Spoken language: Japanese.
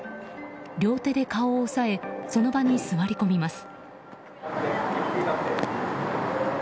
両手で顔を押さえその場に座り込みます。